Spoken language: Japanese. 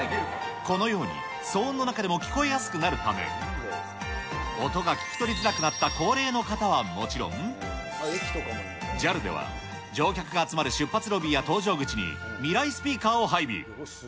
このように、騒音の中でも聴こえやすくなるため、音が聴き取りづらくなった高齢の方はもちろん、ＪＡＬでは、乗客が集まる出発ロビーや搭乗口にミライスピーカーを配備。